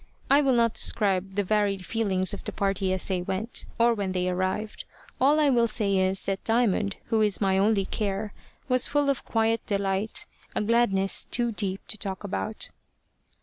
I will not describe the varied feelings of the party as they went, or when they arrived. All I will say is, that Diamond, who is my only care, was full of quiet delight a gladness too deep to talk about.